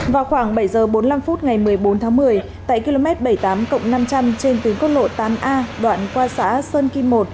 vào khoảng bảy h bốn mươi năm phút ngày một mươi bốn tháng một mươi tại km bảy mươi tám năm trăm linh trên tuyến quốc lộ tám a đoạn qua xã sơn kim một